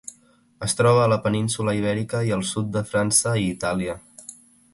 Es troba a la península Ibèrica i al sud de França i Itàlia.